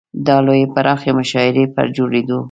د لویې پراخې مشاعرې پر جوړېدو.